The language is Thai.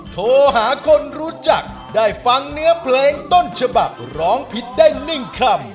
โทรหาคนรู้จักได้ฟังเนื้อเพลงต้นฉบับร้องผิดได้๑คำ